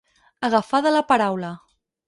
Agafar de la paraula.